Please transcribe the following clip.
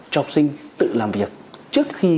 cho học sinh tự làm việc trước khi